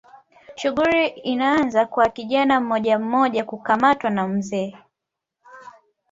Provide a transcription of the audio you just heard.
Shughuli inaanza kwa kijana mmojammoja kukamatwa na mzee